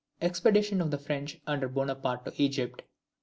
Expedition of the French under Bonaparte to Egypt.